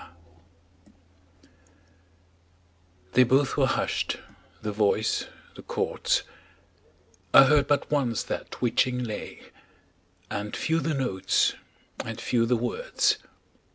They both were husht, the voice, the chords, I heard but once that witching lay; And few the notes, and few the words.